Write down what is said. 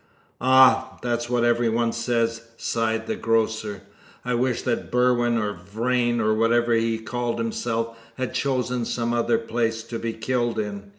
"Ah! that's what every one says," sighed the grocer. "I wish that Berwin, or Vrain, or whatever he called himself, had chosen some other place to be killed in."